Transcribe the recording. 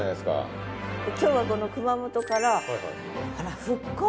今日はこの熊本から復興。